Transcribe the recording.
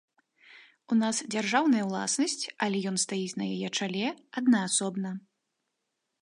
У нас дзяржаўная ўласнасць, але ён стаіць на яе чале аднаасобна.